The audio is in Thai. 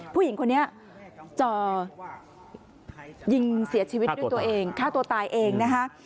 ผู้หญิงคนนี้จ่อยิงเสียชีวิตด้วยตัวเองฆ่าตัวตายเองนะคะ